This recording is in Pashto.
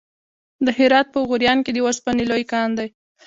د هرات په غوریان کې د وسپنې لوی کان دی.